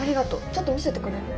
ちょっと見せてくれる？